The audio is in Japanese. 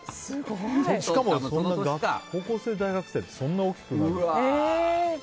しかも高校生、大学生ってそんな大きくなる。